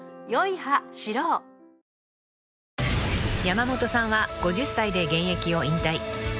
［山本さんは５０歳で現役を引退］